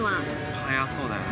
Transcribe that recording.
速そうだよね。